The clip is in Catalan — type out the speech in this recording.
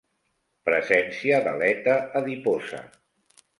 Presència d'aleta adiposa.